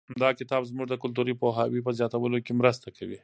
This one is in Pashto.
دا کتاب زموږ د کلتوري پوهاوي په زیاتولو کې مرسته کوي.